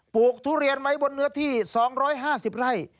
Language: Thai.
ลูกทุเรียนไว้บนเนื้อที่๒๕๐ไร่